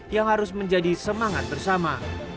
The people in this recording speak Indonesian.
yang harus menjadi semangat bersama